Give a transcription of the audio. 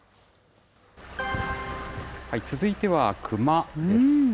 続いてはクマです。